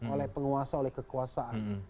oleh penguasa oleh kekuasaan